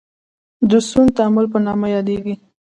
د سون تعامل په نامه یادیږي.